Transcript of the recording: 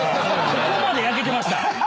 ここまで焼けてました。